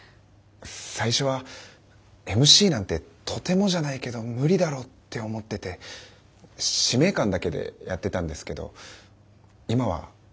最初はＭＣなんてとてもじゃないけど無理だろうって思ってて使命感だけでやってたんですけど今はすごく楽しいです。